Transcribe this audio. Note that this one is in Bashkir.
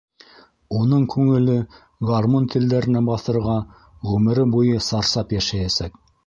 Уның күңеле гармун телдәренә баҫырға ғүмере буйы сарсап йәшәйәсәк.